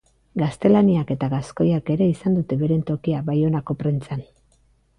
Gaztelaniak eta gaskoiak ere izan dute beren tokia Baionako prentsan.